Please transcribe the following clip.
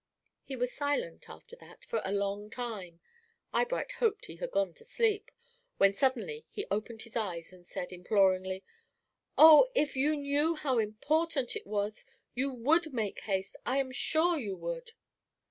He was silent after that for a long time. Eyebright hoped he had gone to sleep, when suddenly he opened his eyes, and said, imploringly: "Oh, if you knew how important it was, you would make haste. I am sure you would."